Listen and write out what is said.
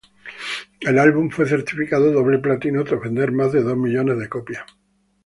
El álbum fue certificado doble platino tras vender más de dos millones de copias.